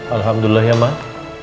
alhamdulillah ya mak